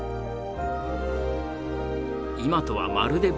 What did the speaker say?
今とはまるで別人。